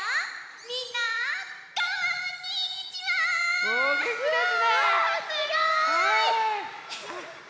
みんなこんにちは！